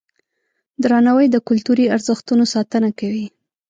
درناوی د کلتوري ارزښتونو ساتنه کوي.